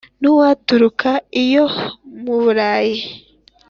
N'uwaturuka iyo mu Bulayi